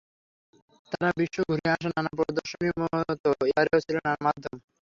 তাঁর বিশ্ব ঘুরে আসা নানা প্রদর্শনীর মতো এবারেও ছিল নানা মাধ্যম।